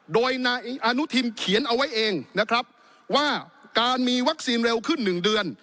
โดยนายอนุทินเขียนเอาไว้เองนะครับว่าการมีวัคซีนเร็วขึ้นหนึ่งเดือน